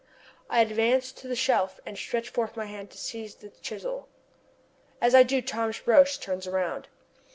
I advance to the shelf and stretch forth my hand to seize the chisel. As I do so, Thomas Roch turns round.